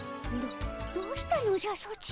どどうしたのじゃソチ。